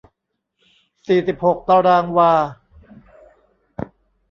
สี่สิบหกตารางวา